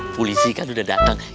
polisi kan udah dateng